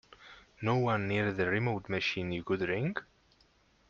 No one near the remote machine you could ring?